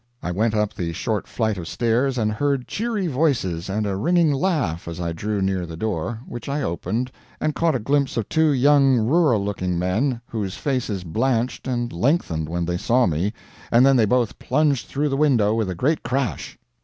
I went up the short flight of stairs, and heard cheery voices and a ringing laugh as I drew near the door, which I opened, and caught a glimpse of two young rural looking men, whose faces blanched and lengthened when they saw me, and then they both plunged through the window with a great crash.